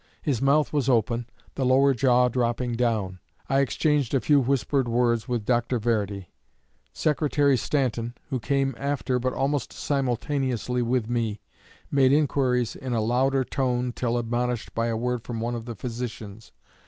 His mouth was open, the lower jaw dropping down. I exchanged a few whispered words with Dr. Verdi. Secretary Stanton, who came after but almost simultaneously with me, made inquiries in a louder tone till admonished by a word from one of the physicians.